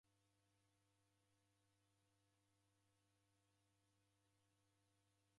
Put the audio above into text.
Naw'eshinika kwa wukelu ghwake